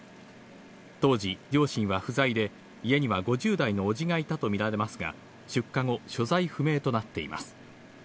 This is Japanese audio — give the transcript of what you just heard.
当時、両親は不在で、家には５０代の伯父がいたと見られますが、出火後、所在不明となっています。